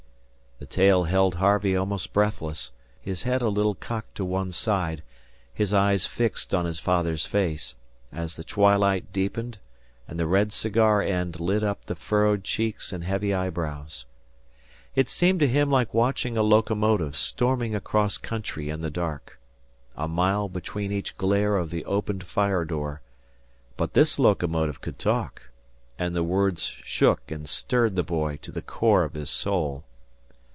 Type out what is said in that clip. The tale held Harvey almost breathless, his head a little cocked to one side, his eyes fixed on his father's face, as the twilight deepened and the red cigar end lit up the furrowed cheeks and heavy eyebrows. It seemed to him like watching a locomotive storming across country in the dark a mile between each glare of the open fire door: but this locomotive could talk, and the words shook and stirred the boy to the core of his soul.